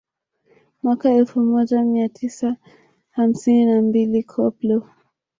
Mwaka elfu moja mia tisa hamsini na mbili Koplo